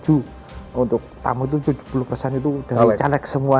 untuk tamu itu tujuh puluh itu dari caleg semua